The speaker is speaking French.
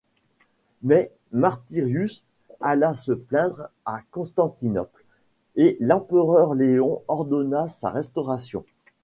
Mais Martyrius alla se plaindre à Constantinople, et l'empereur Léon ordonna sa restauration.